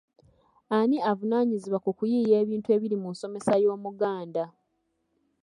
Ani avunaanyizibwa ku kuyiiya ebintu ebiri mu nsomesa Y’Omuganda?